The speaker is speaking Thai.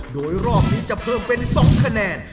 โดยรอบนี้จะเพิ่มเป็น๒คะแนน